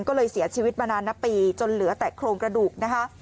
ก็เลยเสียชีวิตมานานนับปีจนเหลือแต่โครงกระดูกนะคะ